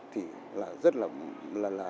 thì là rất là